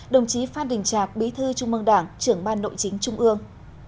đồng chí phan đình trạc bí thư trung mương đảng trưởng ban nội chính trung ương